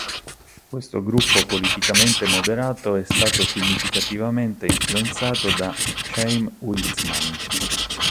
Questo gruppo politicamente moderato è stato significativamente influenzato da Chaim Weizmann.